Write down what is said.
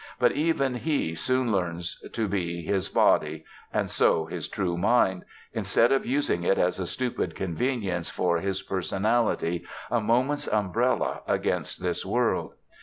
But even he soon learns to be his body (and so his true mind), instead of using it as a stupid convenience for his personality, a moment's umbrella against this world.